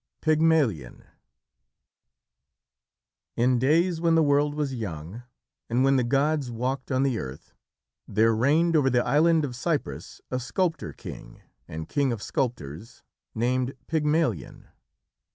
PYGMALION In days when the world was young and when the gods walked on the earth, there reigned over the island of Cyprus a sculptor king, and king of sculptors, named Pygmalion.